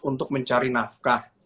untuk mencari nafkah